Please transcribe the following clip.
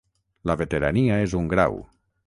La veterania és un grau.